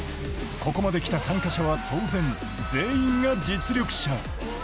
ここまで来た参加者は当然全員が実力者